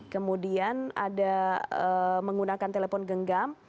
kemudian ada menggunakan telepon genggam